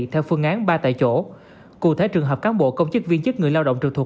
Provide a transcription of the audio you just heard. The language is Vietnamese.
theo phương án ba tại chỗ cụ thể trường hợp cán bộ công chức viên chức người lao động trực thuộc